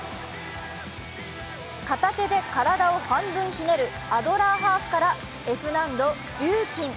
片手で体を半分ひねるアドラーハーフからＦ難度、リューキン。